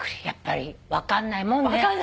やっぱり分かんないもんね